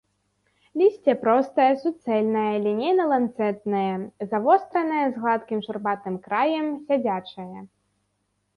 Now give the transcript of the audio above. Лісце простае, суцэльнае, лінейна-ланцэтнае, завостранае, з гладкім шурпатым краем, сядзячае.